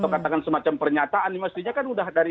katakan semacam pernyataan mestinya kan udah dari